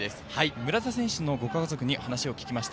村田選手のご家族に話を聞きました。